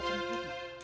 bang ojo di mana